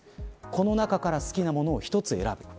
この中から好きなものを１つ選ぶ。